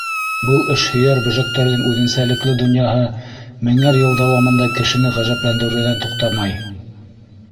Был эшһөйәр бөжәктәрҙең үҙенсәлекле донъяһы меңәр йыл дауамында кешене ғәжәпләндереүҙән туҡтамай.